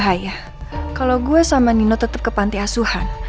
malahan akan terbukti kalau gue sama nino tetap ke panti asuhan